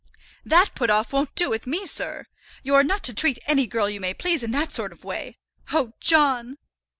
"That put off won't do with me, sir. You are not to treat any girl you may please in that sort of way; oh, John!"